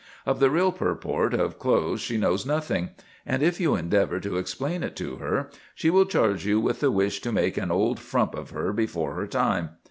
Of the real purport of clothes she knows nothing; and if you endeavour to explain it to her, she will charge you with the wish to make an old frump of her before her time.